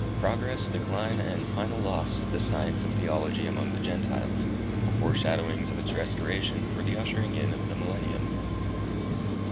PROGRESS, DECLINE, AND FINAL LOSS OF THE SCIENCE OF THEOLOGY AMONG THE GENTILES FORESHADOWINGS OF ITS RESTORATION FOR THE USHERING IN OF THE MILLENNIUM.